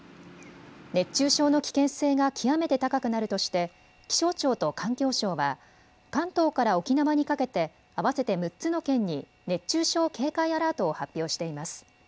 熱中症の危険性が極めて高くなるとして気象庁と環境省は関東から沖縄にかけて合わせて６つの県に熱中症警戒アラートを発表しています。